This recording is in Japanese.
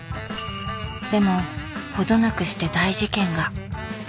でもほどなくして大事件が。